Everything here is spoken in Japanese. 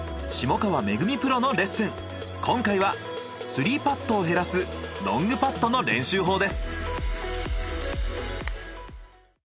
今回は３パットを減らすロングパットの練習法です。